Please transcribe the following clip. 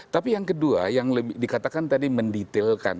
tapi yang kedua yang dikatakan tadi mendetailkan